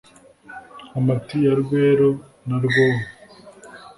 nkomati ya rweru na mwoba